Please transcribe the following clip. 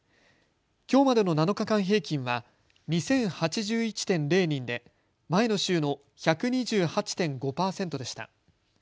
きょうまでの７日間平均は２０８１．０人で前の週の１２８．５％でした。